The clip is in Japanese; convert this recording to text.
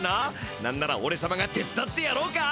なんならおれさまが手つだってやろうか？